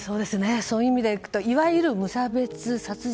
そういう意味でいくといわゆる無差別殺人。